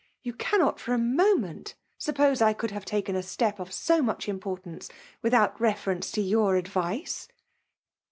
You cannot for a moment suppose I could have taken a step of so much importance without reference to your advice."